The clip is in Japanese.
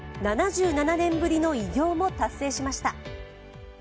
７７年ぶりの偉業も達成しました。